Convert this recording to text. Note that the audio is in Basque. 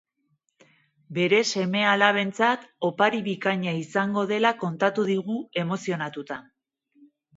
Bere seme-alabentzat opari bikaina izango dela kontatu digu emozionatuta.